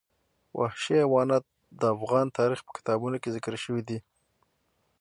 وحشي حیوانات د افغان تاریخ په کتابونو کې ذکر شوي دي.